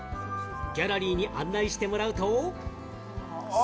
ギャラリーに案内してもらうと。